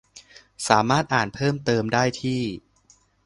สามารถอ่านเพิ่มเติมได้ที่